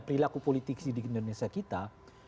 perilaku politisi di indonesia kita